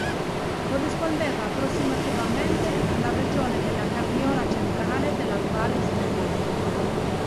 Corrispondeva approssimativamente alla regione della Carniola centrale dell'attuale Slovenia.